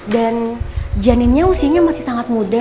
dan janinnya usianya masih sangat muda